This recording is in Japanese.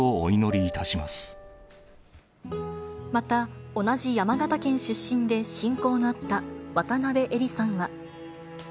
また、同じ山形県出身で親交のあった渡辺えりさんは。